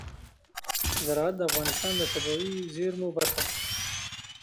زراعت د افغانستان د طبیعي زیرمو برخه ده.